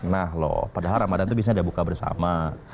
nah loh padahal ramadan itu bisa dibuka bersama